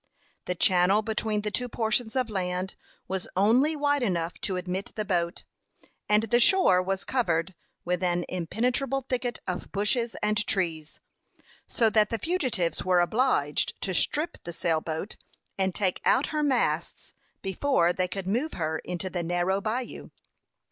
The channel between the two portions of land was only wide enough to admit the boat, and the shore was covered with an impenetrable thicket of bushes and trees, so that the fugitives were obliged to "strip" the sail boat, and take out her masts, before they could move her into the narrow bayou.